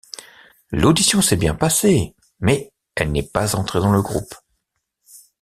L'audition s'est bien passée mais elle n'est pas entrée dans le groupe.